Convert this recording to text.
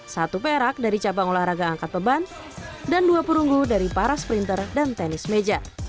satu perak dari cabang olahraga angkat beban dan dua perunggu dari para sprinter dan tenis meja